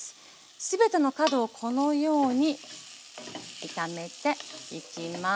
全ての角をこのように炒めていきます。